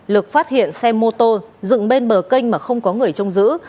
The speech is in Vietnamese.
lực phát hiện xe mô tô dựng bên bờ kênh mà không có người trông giữ